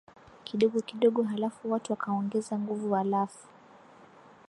kidogo kidogo halafu watu wakaongeza nguvu alafu